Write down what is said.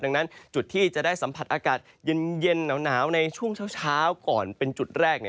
ดังนั้นจุดที่จะได้สัมผัสอากาศเย็นหนาวในช่วงเช้าก่อนเป็นจุดแรก